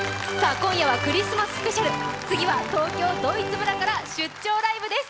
今夜はクリスマススペシャル、次は東京ドイツ村から出張ライブです。